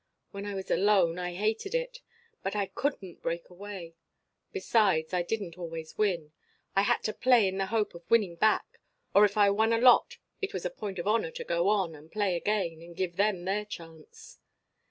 When I was alone I hated it. But I couldn't break away. Besides, I didn't always win. I had to play in the hope of winning back. Or if I won a lot it was a point of honor to go on and play again, and give them their chance.